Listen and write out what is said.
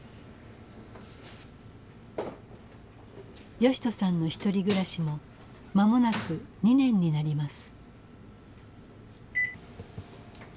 義人さんの１人暮らしも間もなく２年になります。